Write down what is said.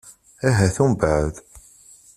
Ahat umbeɛd.